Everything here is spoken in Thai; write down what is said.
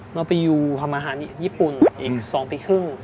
เราไปอยู่ทำอาหารญี่ปุ่นอีก๒ปีครึ่ง